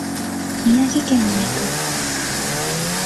宮城県に行く。